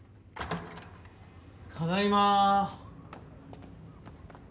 ただいま。